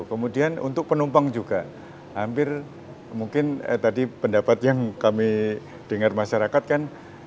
kemudian untuk penumpang juga hampir mungkin tadi pendapat yang kami dengar masyarakat kan